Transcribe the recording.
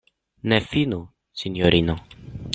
Ne finu, sinjorino!